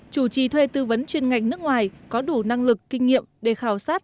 chủ trì thuê tư vấn chuyên ngành nước ngoài có đủ năng lực kinh nghiệm để khảo sát